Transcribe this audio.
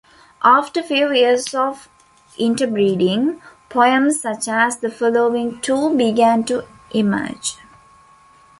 After few years of interbreeding, poems such as the following two began to emerge.